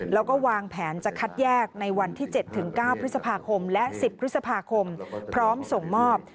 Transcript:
แล้วก็วางแผนจะคัดแยกในวันที่๗๙พฤษภาคมและ๑๐พฤษภาคมพร้อมส่งมอบ